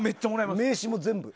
名刺も全部。